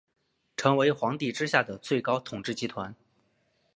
成为皇帝之下的最高统治集团。